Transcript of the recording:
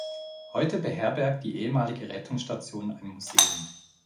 Heute beherbergt die ehemalige Rettungsstation ein Museum.